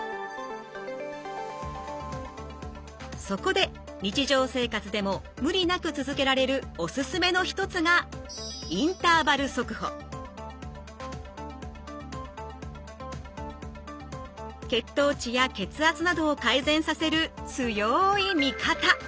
そこで日常生活でも無理なく続けられるおすすめの一つが血糖値や血圧などを改善させる強い味方。